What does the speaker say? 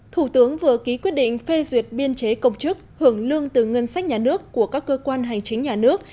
thủ tướng vừa ký quyết định phê duyệt biên chế công chức hưởng lương từ ngân sách nhà nước của các cơ quan hành chính nhà nước